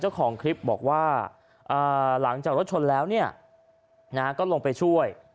เจ้าของคลิปบอกว่าหลังจากรถชนแล้วก็ลงไปช่วย